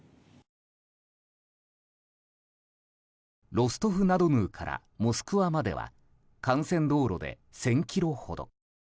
ロストフ・ナ・ドヌーからモスクワまでは幹線道路で１０００ｋｍほど。